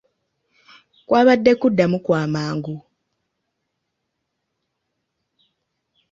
Kwabadde kuddamu kw'amangu.